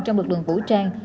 trong lực lượng vũ trang